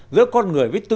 giữa con người với cộng đồng